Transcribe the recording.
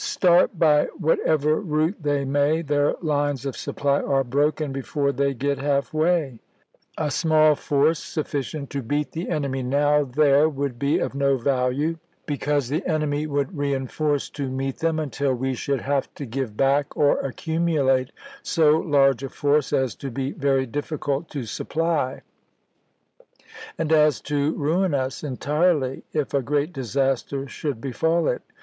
Start by whatever route they may, their lines of supply are broken before they get half way. A small force sufficient to beat the enemy now there would be of no value, because the enemy would reenforce to meet them, until we Vol. VIII.— 11 162 ABRAHAM LINCOLN Chap. VI. should liavG to give back, or accumulate so large a force as to be very difficult to supply, and as to ruin us entirely if a great disaster should befall it.